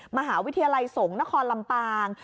มหาวิทยาลัยสงฆ์นครลำปาง